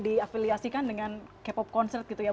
jadi ini bisa dikualiasikan dengan k pop concert gitu ya